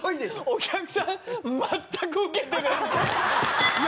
お客さん全くウケてない。